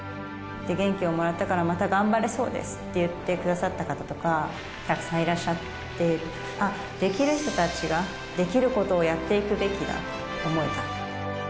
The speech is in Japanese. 元気をもらったからまた頑張れそうですって言ってくださった方とか、たくさんいらっしゃって、ああ、できる人たちができることをやっていくべきだと思えた。